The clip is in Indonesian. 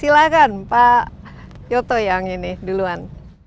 silakan pak nyoto yang ini duluan